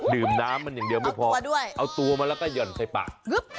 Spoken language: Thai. ดื่มน้ำอย่างเดียวไม่พอเอาตัวมาแล้วก็หยั่นในปาก